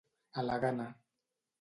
A la gana.